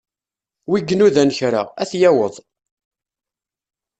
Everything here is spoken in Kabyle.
Wi inudan kra, ad t-yaweḍ.